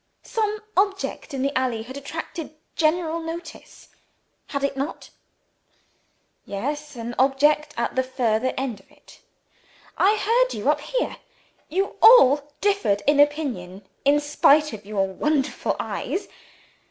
"Some object in the alley had attracted general notice had it not?" "Yes an object at the further end of it." "I heard you up here. You all differed in opinion, in spite of your wonderful eyes.